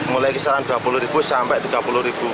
mulai kisaran dua puluh ribu sampai tiga puluh ribu